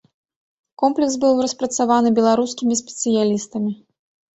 Комплекс быў распрацаваны беларускімі спецыялістамі.